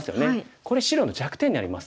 これ白の弱点になります。